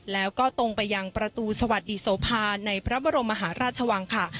แล้วก็ตรงไปยังประตูสวัสดีโสภาในพระบรมมหาราชวังค่ะ